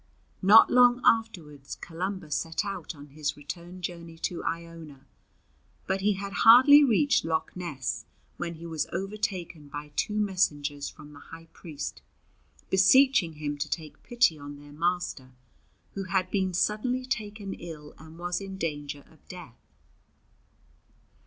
Not long afterwards Columba set out on his return journey to Iona, but he had hardly reached Loch Ness when he was overtaken by two messengers from the high priest beseeching him to take pity on their master, who had been suddenly taken ill and was in danger of death.